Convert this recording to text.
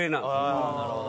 ああなるほど。